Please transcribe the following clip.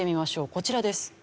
こちらです。